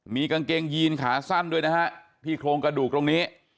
มีกางเกงยีนขาสั้นด้วยนะฮะที่โครงกระดูกตรงนี้